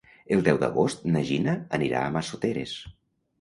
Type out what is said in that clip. El deu d'agost na Gina anirà a Massoteres.